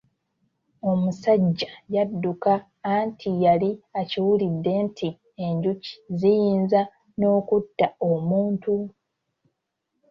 Omusajja yadduka anti yali akiwulidde nti enjuki ziyinza n’okutta omuntu.